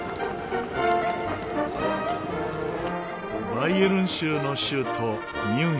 バイエルン州の州都ミュンヘン。